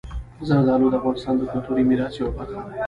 زردالو د افغانستان د کلتوري میراث یوه برخه ده.